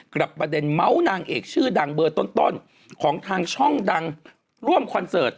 ประเด็นเมาส์นางเอกชื่อดังเบอร์ต้นของทางช่องดังร่วมคอนเสิร์ต